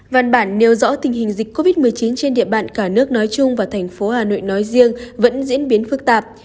văn bản nêu rõ tình hình dịch covid một mươi chín trên địa bàn cả nước nói chung và thành phố hà nội nói riêng vẫn diễn biến phức tạp